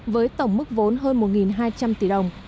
với tổng mức vốn hơn một hai trăm linh tỷ đồng